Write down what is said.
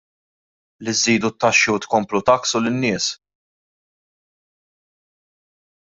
Li żżidu t-taxxi u tkomplu tgħakksu lin-nies!